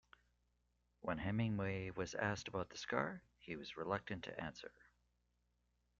When Hemingway was asked about the scar, he was reluctant to answer.